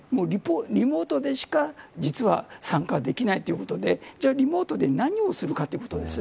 リモートでしか実は参加できないということでリモートで何をするかということです。